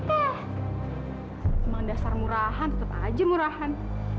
emang dasar murahan tetep aja murahan